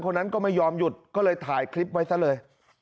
คนนั้นก็ไม่ยอมหยุดก็เลยถ่ายคลิปไว้ซะเลย